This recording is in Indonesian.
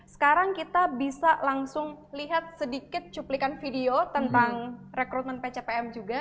sekarang kita bisa langsung lihat sedikit cuplikan video tentang rekrutmen pcpm juga